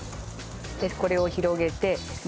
でこれを広げて。